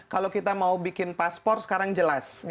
kalau kita mau bikin paspor sekarang jelas